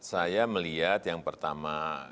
saya melihat yang pertama